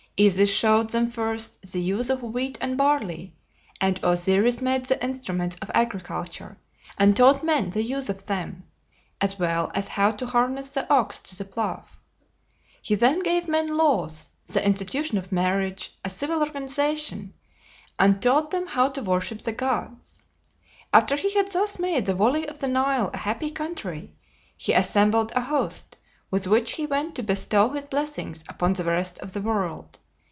Isis showed them first the use of wheat and barley, and Osiris made the instruments of agriculture and taught men the use of them, as well as how to harness the ox to the plough. He then gave men laws, the institution of marriage, a civil organization, and taught them how to worship the gods. After he had thus made the valley of the Nile a happy country, he assembled a host with which he went to bestow his blessings upon the rest of the world.